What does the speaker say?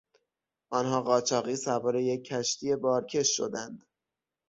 آنها قاچاقی سوار یک کشتی بارکش شدند.